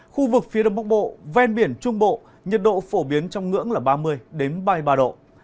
khu vực phía đông bắc bộ ven biển trung bộ nhiệt độ phổ biến trong ngưỡng là ba mươi ba mươi ba độ